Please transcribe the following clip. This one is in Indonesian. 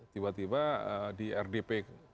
tiba tiba di rdp